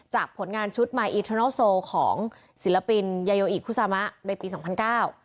จากผลงานชุดของศิลปินยโยอิคคุซามะในปีสองพันเก้า